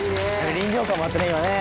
臨場感もあったね